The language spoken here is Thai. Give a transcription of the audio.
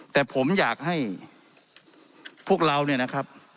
แต่ผมอยากให้พวกเราเนี่ยนะครับ